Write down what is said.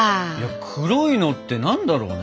黒いのって何だろうね？